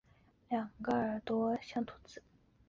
建德四年灭北齐。